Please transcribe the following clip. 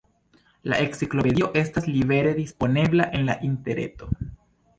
La enciklopedio estas libere disponebla en la interreto.